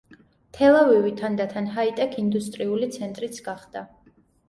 თელ-ავივი თანდათან ჰაი-ტექ ინდუსტრიული ცენტრიც გახდა.